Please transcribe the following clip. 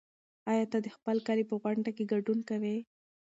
ایا ته د خپل کلي په غونډه کې ګډون کوې؟